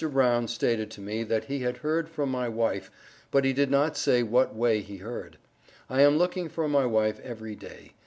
Brown stated to me that he had heard from my wife but he did not say what way he heard. I am looking for my wife every day.